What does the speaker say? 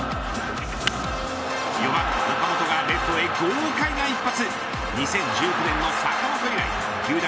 ４番岡本がレフトへ豪快な一発。